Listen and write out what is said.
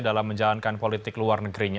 dalam menjalankan politik luar negerinya